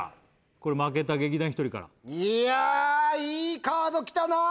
これ負けた劇団ひとりからいやいいカード来たなあ！